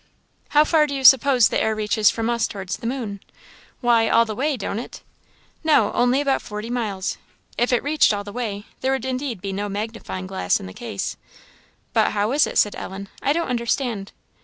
"How far do you suppose the air reaches from us towards the moon?" "Why, all the way don't it?" "No only about forty miles. If it reached all the way, there would indeed be no magnifying glass in the case." "But how is it?" said Ellen. "I don't understand."